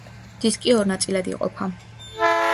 დისკი ორ ნაწილად იყოფა.